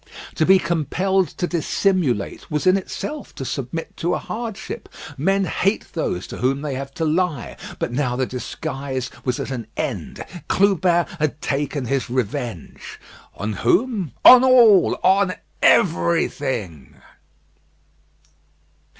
To be compelled to dissimulate was in itself to submit to a hardship. Men hate those to whom they have to lie. But now the disguise was at an end. Clubin had taken his revenge. On whom? On all! On everything!